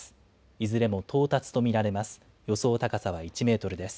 いずれも到達と見られます。